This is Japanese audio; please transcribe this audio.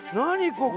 ここ。